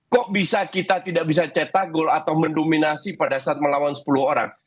kok bisa kita tidak bisa cetak gol atau mendominasi pada saat melawan sepuluh orang